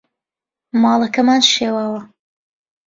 ماڵەکەمان شێواوە.